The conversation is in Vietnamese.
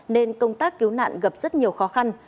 nên công tác cứu nạn gặp rất nhiều khó khăn